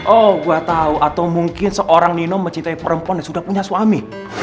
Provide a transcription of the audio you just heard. oh gua tau atau mungkin seorang nino mencintai perempuan yang sudah punya suami